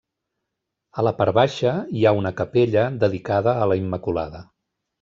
A la part baixa hi ha una capella dedicada a la Immaculada.